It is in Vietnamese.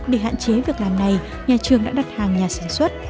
để hạn chế việc làm này nhà trường đã đặt hàng nhà sản xuất